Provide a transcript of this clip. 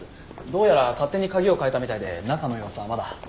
どうやら勝手に鍵を替えたみたいで中の様子はまだ。